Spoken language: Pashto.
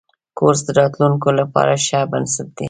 کورس د راتلونکي لپاره ښه بنسټ دی.